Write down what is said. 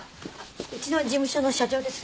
うちの事務所の社長です。